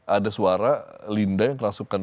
ada suara linda yang rasukan